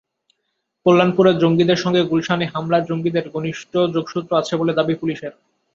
কল্যাণপুরের জঙ্গিদের সঙ্গে গুলশানে হামলার জঙ্গিদের ঘনিষ্ঠ যোগসূত্র আছে বলে দাবি পুলিশের।